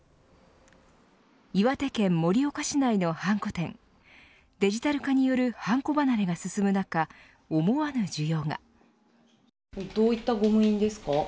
岩手県盛岡市内のはんこ店デジタル化によるはんこ離れが進む中思わぬ需要が。